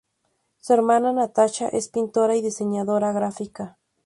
Su hermana Natasha es pintora y diseñadora gráfica.